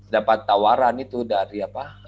dapat tawaran itu dari apa